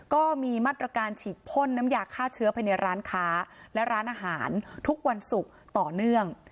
ก็มีมาตรการฉีดพ่นน้ำยาฆ่าเชื้อไปในร้านค้าและร้านอาหารทุกวันศุกร์ต่อเนื่อง